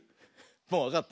もうわかった？